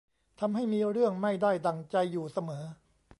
ทำให้มีเรื่องไม่ได้ดั่งใจอยู่เสมอ